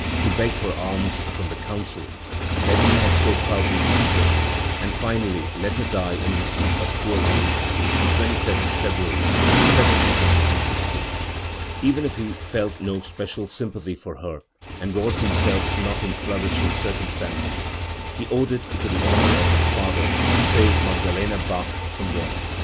(1752) to beg for alms from the Council that he had so proudly withstood, and finally let her die in receipt of poor relief, on 2yth February 1760. Even if he felt no special sympathy for her, and was himself not in flourishing cir cumstances, he owed it to the honour of his father to save Magdalena Bach from want.